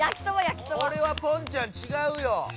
これはポンちゃんちがうよ！